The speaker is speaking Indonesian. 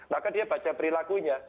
maka dia baca perilakunya